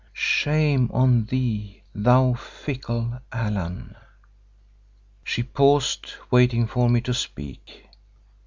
Shame on thee, thou fickle Allan!" She paused, waiting for me to speak.